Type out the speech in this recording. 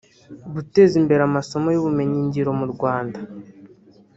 Guteza imbere amasomo y’ubumenyi ngiro mu Rwanda